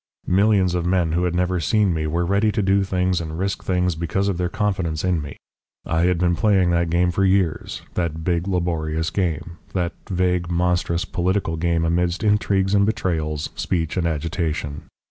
Millions of men who had never seen me were ready to do things and risk things because of their confidence in me. I had been playing that game for years, that big laborious game, that vague, monstrous political game amidst intrigues and betrayals, speech and agitation.